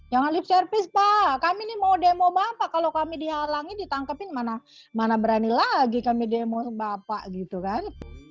jangan lip service pak kami ini mau demo bapak kalau kami dihalangi ditangkepin mana berani lagi kami demo bapak gitu kan